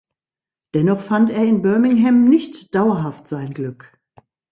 Dennoch fand er in Birmingham nicht dauerhaft sein Glück.